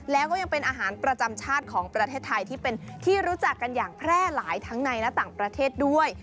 แล้วก็ยังเป็นอาหารประจำชาติของประเทศไทยที่เป็นที่รู้จักกันอย่างแพร่หลายทั้งในและต่างประเทศด้วย